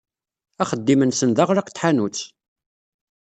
Axeddim-nsen d aɣlaq n tḥanut.